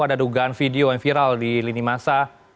ada dugaan video yang viral di lini masa